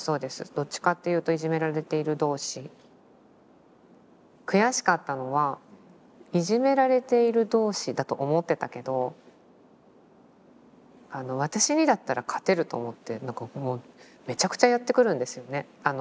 どっちかっていうと悔しかったのはいじめられている同士だと思ってたけど私にだったら勝てると思ってなんかめちゃくちゃやってくるんですよね。